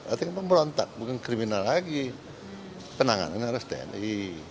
artinya pemberontak bukan kriminal lagi penanganannya harus tni